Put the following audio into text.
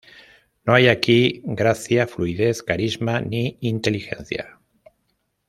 No hay aquí gracia, fluidez, carisma ni inteligencia.